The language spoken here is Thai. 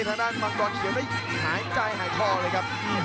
ทางด้านมังกรเขียวได้หายใจหายคอเลยครับ